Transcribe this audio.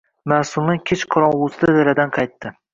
Maʼsuma kech qorongʼusida daladan qaytdi.